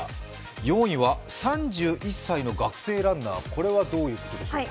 ４位は３１歳の学生ランナー、これはどういうことでしょうか？